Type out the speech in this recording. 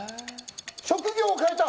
職業を変えた。